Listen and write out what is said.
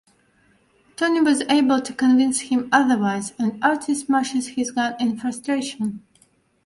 Tony was able to convince him otherwise and Artie smashes his gun in frustration.